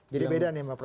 jadi beda nih pak prof